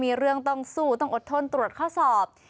มีเรื่องต้องสู้ต้องอดทนตรวจข้อสอบ